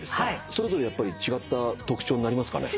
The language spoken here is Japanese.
それぞれやっぱり違った特徴になりますかね？